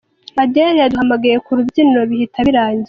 Adele yaduhamagaye ku rubyiniro bihita birangira.